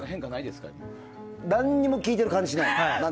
何も効いてる感じしない。